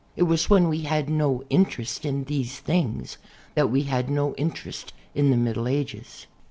It was when we had no interest in these things that we had no interest in the Middle Ages.